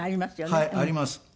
はいあります。